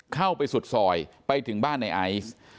เข้าไปสุดซอยไปถึงบ้านในไอซ์